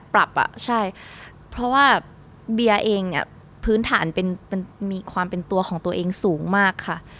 เพราะว่าเบียร์เองพื้นฐานมีความเป็นตัวของตัวเองสูงมากค่ะ